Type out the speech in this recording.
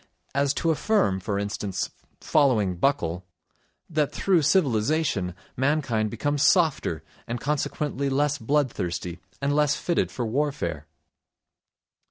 as to affirm, for instance, following Buckle, that through civilisation mankind becomes softer, and consequently less bloodthirsty and less fitted for warfare.